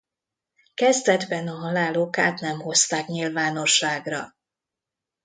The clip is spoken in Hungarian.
Kezdetben a halál okát nem hozták nyilvánosságra.